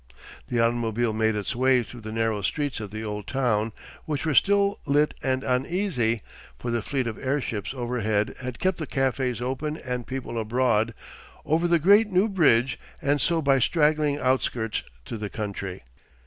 The automobile made its way through the narrow streets of the old town, which were still lit and uneasy—for the fleet of airships overhead had kept the cafés open and people abroad—over the great new bridge, and so by straggling outskirts to the country.